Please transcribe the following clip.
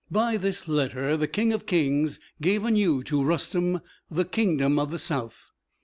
By this letter the King of kings gave anew to Rustem the kingdom of the south.